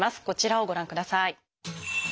こちらをご覧ください。